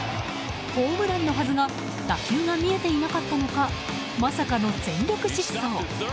ホームランのはずが打球が見えていなかったのかまさかの全力疾走。